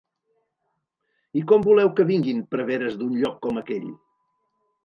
I com voleu que vinguin preveres d'un lloc com aquell?